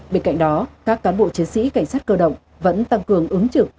bên cạnh đó các cán bộ chiến sĩ cảnh sát cơ động vẫn tăng cường ứng trực